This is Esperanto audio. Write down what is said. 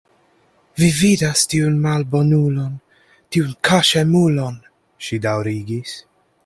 Vi vidas tiun malbonulon, tiun kaŝemulon, ŝi daŭrigis.